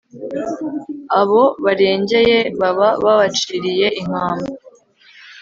abo barengeye baba babaciriye inkamba